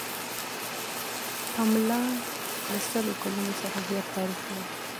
پملا له سلو کلونو څخه زیات تاریخ لري.